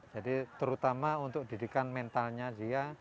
jadi terutama untuk didikan mentalnya dia